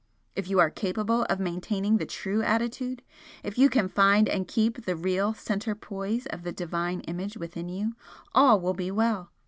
If you are capable of maintaining the true attitude, if you can find and keep the real centre poise of the Divine Image within you, all will be well.